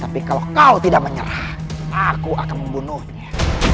tapi kalau kau tidak menyerah aku akan membunuhnya